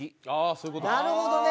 なるほどね。